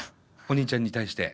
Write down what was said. お兄ちゃんに対して？